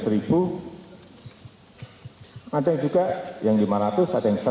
ada yang juga yang lima ratus ada yang seratus